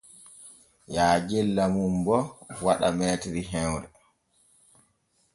Yaajella mum bo waɗa m hemre.